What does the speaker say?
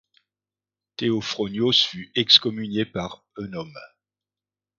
Théophronios fut excommunié par Eunome.